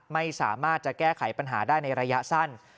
ไม่สามารถจะแก้ไขปัญหาได้ในระยะสั้น